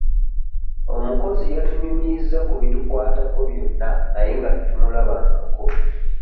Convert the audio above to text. Omukozi yatunyumirizza ku bitukwatako byonna naye nga tetumulabangako.